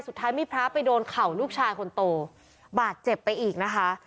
สุดท้ายมีพระไปโดนเข่าลูกชายคนโตบาดเจ็บไปอีกนะคะ